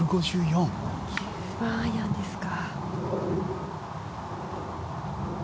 ９番アイアンですか。